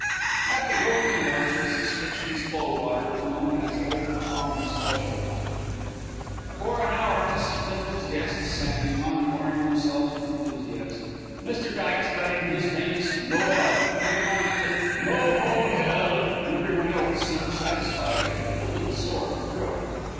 At The Golden Horse, Mrs. Stitchley's clove water was known as Old Tom Special. For an hour Mrs. Bindle's guests sang, encoring themselves with enthusiasm. Mr. Dykes got in his famous "Noël," he pronounced it "No ho hell," and everyone else seemed satisfied, if a little sore of throat.